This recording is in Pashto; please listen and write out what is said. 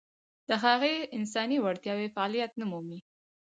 د هغه انساني وړتیاوې فعلیت نه مومي.